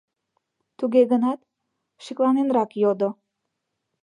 Туге гынат шекланенрак йодо: